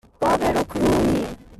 Povero Cruni!